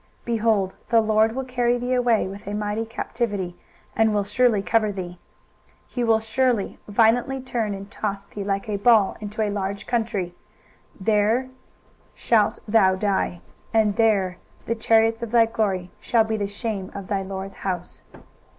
23:022:017 Behold, the LORD will carry thee away with a mighty captivity, and will surely cover thee. 23:022:018 He will surely violently turn and toss thee like a ball into a large country: there shalt thou die, and there the chariots of thy glory shall be the shame of thy lord's house.